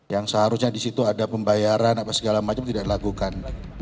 yang seharusnya di situ ada pembayaran apa segala macam tidak dilakukan